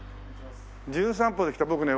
『じゅん散歩』で来た僕ね